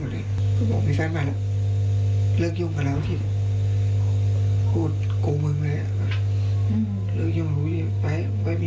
พี่ผมต้องมีแฟนมันเลือกยุ่งกันแล้วที่พูดโกงมือคือเลย